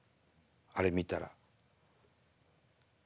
あれ見たら。